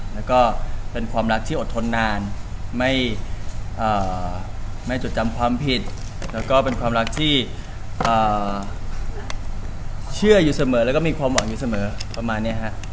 แล้วก็เป็นความรักที่อดทนนานไม่จดจำความผิดแล้วก็เป็นความรักที่เชื่ออยู่เสมอแล้วก็มีความหวังอยู่เสมอประมาณนี้ฮะ